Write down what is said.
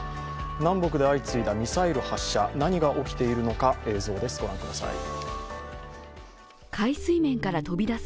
南北で相次いだミサイル発射、何が起きているのか、映像です。